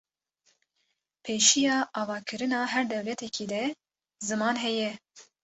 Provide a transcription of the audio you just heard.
pêşiya avakirina her dewletêkî de ziman heye